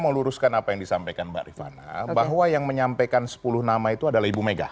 meluruskan apa yang disampaikan mbak rifana bahwa yang menyampaikan sepuluh nama itu adalah ibu mega